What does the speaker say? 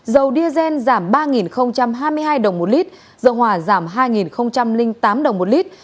dầu diazen giảm ba hai mươi hai đồng một lít dầu hòa giảm hai tám đồng một lít